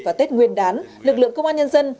và tết nguyên đán lực lượng công an nhân dân